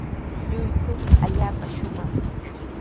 Lluychumi allaapa shumaq.